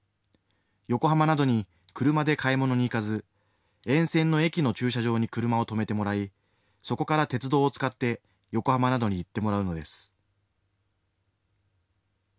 横浜などに車で買い物に行かず、沿線の駅の駐車場に車を止めてもらい、そこから鉄道を使って横浜などに行ってもらうのです。